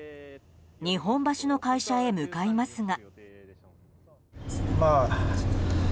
日本橋の会社へ向かいますが。